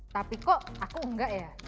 tapi kok aku enggak ya